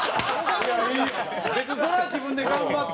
別にそれは自分で頑張って。